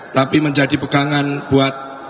tapi menjadi pegangan buat